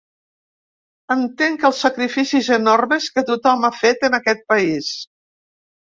Entenc els sacrificis enormes que tothom ha fet en aquest país.